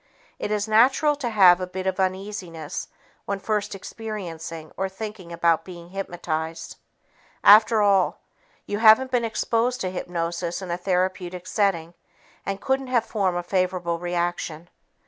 It is natural to have a bit of uneasiness when first experiencing or thinking about being hypnotized. After all, you haven't been exposed to hypnosis in a therapeutic setting and couldn't have formed a favorable reaction.